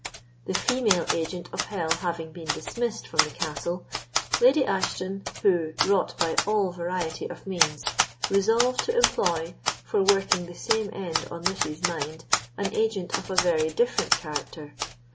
The female agent of hell having been dismissed from the castle, Lady Ashton, who wrought by all variety of means, resolved to employ, for working the same end on Lucy's mind, an agent of a very different character.